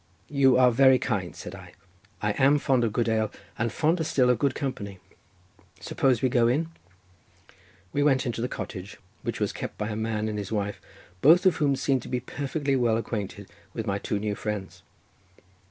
"You are very kind," said I, "I am fond of good ale, and fonder still of good company—suppose we go in?" We went into the cottage, which was kept by a man and his wife, both of whom seemed to be perfectly well acquainted with my two new friends.